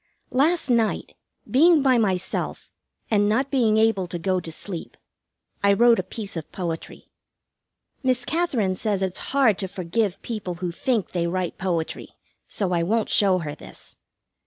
Last night, being by myself, and not being able to go to sleep, I wrote a piece of poetry. Miss Katherine says it's hard to forgive people who think they write poetry, so I won't show her this.